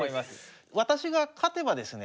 私が勝てばですね